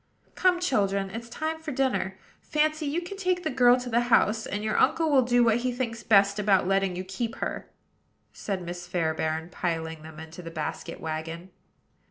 "Come, children; it's time for dinner. Fancy, you can take the girl to the house; and your uncle will do what he thinks best about letting you keep her," said Miss Fairbairn, piling them into the basket wagon.